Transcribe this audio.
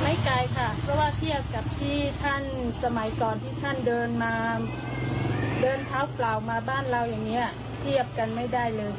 ไม่ไกลค่ะเพราะว่าเทียบกับที่ท่านสมัยก่อนที่ท่านเดินมาเดินเท้าเปล่ามาบ้านเราอย่างนี้เทียบกันไม่ได้เลย